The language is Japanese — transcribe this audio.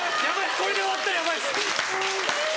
これで終わったらヤバいです。